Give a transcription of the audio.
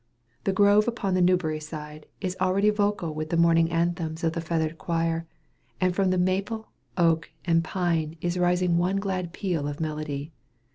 The grove upon the Newbury side is already vocal with the morning anthems of the feathered choir, and from the maple, oak, and pine is rising one glad peal of melody.